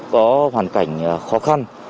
có hoàn cảnh khó khăn